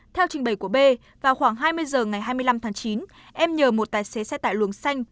theo trình bày của b vào khoảng hai mươi h ngày hai mươi năm tháng chín em nhờ một tài xế xe tải luồng xanh